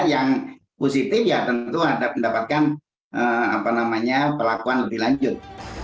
yang positif ya tentu mendapatkan pelakuan lebih lanjut